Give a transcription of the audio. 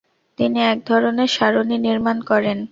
তিনি এক ধরনের সারণী নির্মাণ করেন।